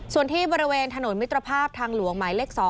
ส่วนที่บริเวณถนนมิตรภาพทางหลวงหมายเลข๒